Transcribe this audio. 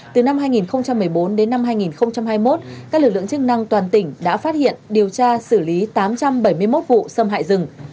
từ năm hai nghìn một mươi bốn đến năm hai nghìn hai mươi một các lực lượng chức năng toàn tỉnh đã phát hiện điều tra xử lý tám trăm bảy mươi một vụ xâm hại rừng